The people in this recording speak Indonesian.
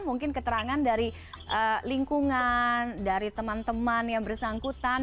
mungkin keterangan dari lingkungan dari teman teman yang bersangkutan